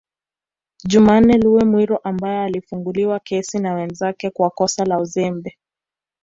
Jumanne Lume Mwiru ambaye alifunguliwa kesi na wenzake kwa kosa la uzembe